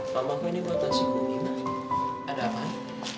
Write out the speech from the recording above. mamah ini buat nasi kumi ma ada apaan